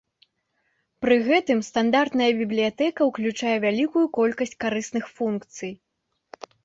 Пры гэтым стандартная бібліятэка ўключае вялікую колькасць карысных функцый.